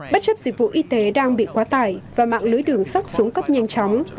bất chấp dịch vụ y tế đang bị quá tải và mạng lưới đường sắt xuống cấp nhanh chóng